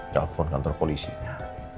telepon kantor polisinya